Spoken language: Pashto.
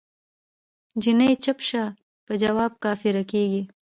جینی چپ شه په جواب کافره کیږی